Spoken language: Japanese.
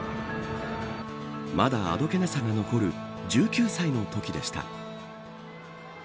まだ、あどけなさが残る１９歳のときでした。